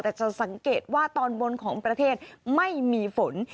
แต่จะสังเกตว่าตอนบนของประเทศไม่มีฝน